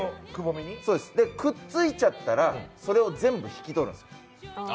くっついちゃったら、それを全部引き取るんです。